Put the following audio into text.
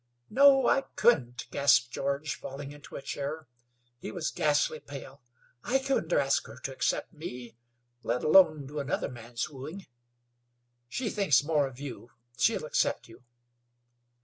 "No; I couldn't," gasped George, falling into a chair. He was ghastly pale. "I couldn't ask her to accept me, let alone do another man's wooing. She thinks more of you. She'll accept you."